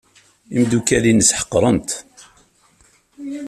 Imeddukal-nnes ḥeqren-t.